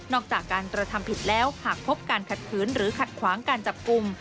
จากการกระทำผิดแล้วหากพบการขัดขืนหรือขัดขวางการจับกลุ่ม